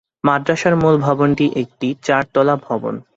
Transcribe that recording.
মাদ্রাসার মূল ভবনটি একটি চারতলা ভবন।